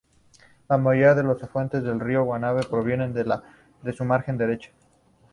La mayoría de los afluentes del río Guanare provienen de su margen derecha.